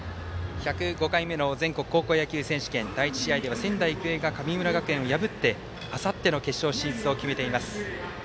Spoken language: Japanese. １０５回目の全国高校野球選手権第１試合では仙台育英が神村学園を破ってあさっての決勝進出を決めています。